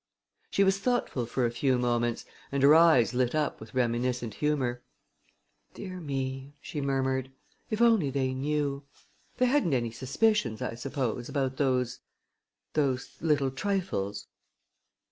She was thoughtful for a few moments, and her eyes lit up with reminiscent humor. "Dear me!" she murmured. "If only they knew! They hadn't any suspicions, I suppose, about those those little trifles?"